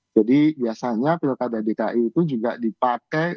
biasanya pilkada dki itu juga dipakai